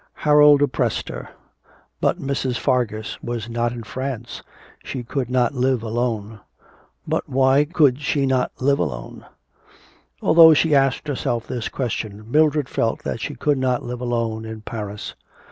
Harold oppressed her. But Mrs. Fargus was not in France, she could not live alone. But why could she not live alone? Although she asked herself this question, Mildred felt that she could not live alone in Paris.